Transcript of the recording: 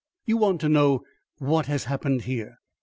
"You want to know what has happened here?